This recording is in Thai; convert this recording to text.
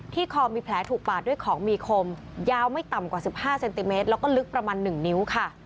คอมีแผลถูกปาดด้วยของมีคมยาวไม่ต่ำกว่า๑๕เซนติเมตรแล้วก็ลึกประมาณ๑นิ้วค่ะ